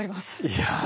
いや。